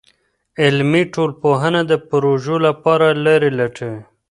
عملي ټولنپوهنه د پروژو لپاره لارې لټوي.